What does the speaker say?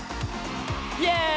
イエーイ。